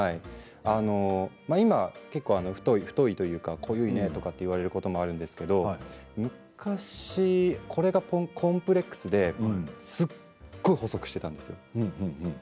今、太いというか、濃いと言われることもあるんですけど昔、これがコンプレックスですごく細くしていたんです。